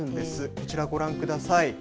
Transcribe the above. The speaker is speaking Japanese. こちらご覧ください。